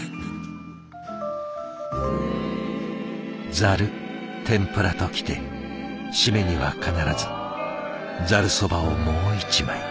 ざる天ぷらときて締めには必ずざるそばをもう一枚。